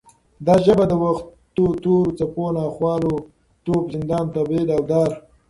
دا ژبه د وختونو تورو څپو، ناخوالو، توپ، زندان، تبعید او دار